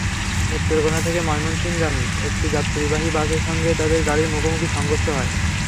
নেত্রকোনা থেকে ময়মনসিংহগামী একটি যাত্রীবাহী বাসের সঙ্গে তাঁদের গাড়ির মুখোমুখি সংঘর্ষ হয়।